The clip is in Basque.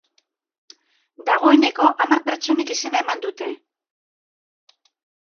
Dagoeneko hamar pertsonek izena eman dute